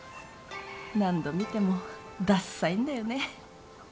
何度見てもダサいんだよね。